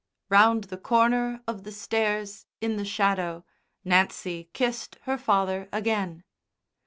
Round the corner of the stairs in the shadow Nancy kissed her father again.